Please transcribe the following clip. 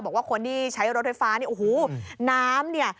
บอกว่าคนที่ใช้รถไฟฟ้านี่โอ้โหน้ำเนี่ย